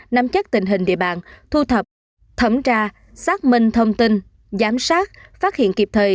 nắm chắc tình hình địa bàn thu thập thẩm tra xác minh thông tin giám sát phát hiện kịp thời